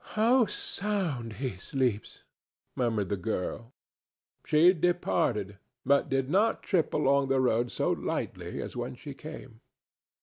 "How sound he sleeps!" murmured the girl. She departed, but did not trip along the road so lightly as when she came.